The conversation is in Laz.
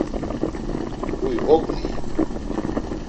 Huy ognii?